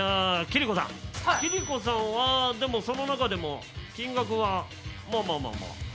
貴理子さんはでもその中でも金額はまあまあまあまあ。